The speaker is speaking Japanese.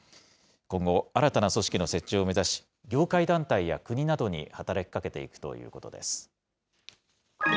今後、新たな組織の設置を目指し、業界団体や国などに働きかけていくということです。